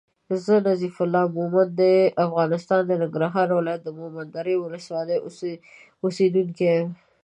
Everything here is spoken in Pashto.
زه نظیف الله مومند د افغانستان د ننګرهار ولایت د مومندرې ولسوالی اوسېدونکی یم